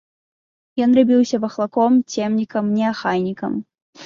Ён рабіўся вахлаком, цемнікам, неахайнікам.